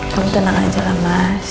kamu tenang aja lah mas